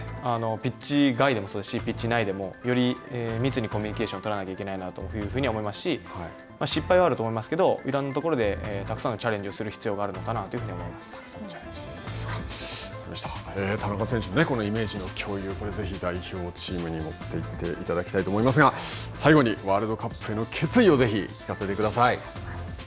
ピッチ外でもそうですし、ピッチ内でも、より密にコミュニケーションを取らなければいけないなというふうに思いますし、失敗はあると思いますけれども、いろんなところでたくさんのチャレンジを田中選手に、イメージの共有、ぜひ代表チームに持っていっていただきたいと思いますが最後にワールドカップへの決意をぜひ聞かせてください。